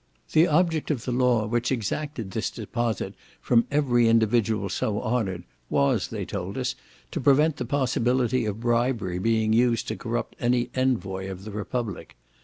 The object of the law which exacted this deposit from every individual so honoured, was, they told us, to prevent the possibility of bribery being used to corrupt any envoy of the Republic.